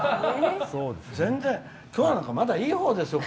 全然、きょうなんかまだいいほうですよ。